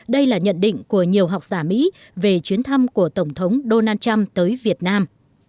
đây là nhận định của nhiều học giả mỹ về chuyến thăm của tổng thống donald trump tới việt nam